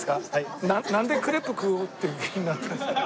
なんでクレープ食おうっていう気になったんですか？